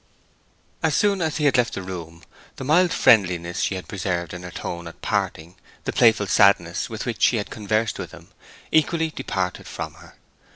As soon as he had left the room the mild friendliness she had preserved in her tone at parting, the playful sadness with which she had conversed with him, equally departed from her.